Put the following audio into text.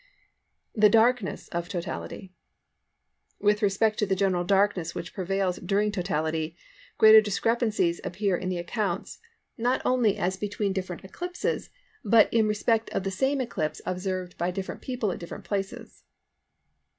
THE DARKNESS OF TOTALITY. With respect to the general darkness which prevails during totality, great discrepancies appear in the accounts, not only as between different eclipses, but in respect of the same eclipse observed by different people at different places.